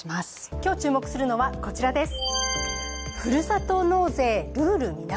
今日注目するのはこちらです。